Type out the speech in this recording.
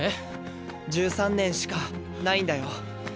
１３年しかないんだよ？